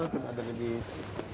ini untuk harga masuk